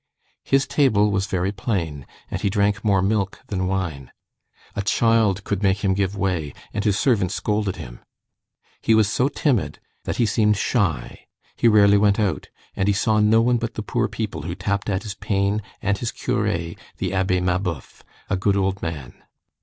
His table was very plain, and he drank more milk than wine. A child could make him give way, and his servant scolded him. He was so timid that he seemed shy, he rarely went out, and he saw no one but the poor people who tapped at his pane and his curé, the Abbé Mabeuf, a good old man.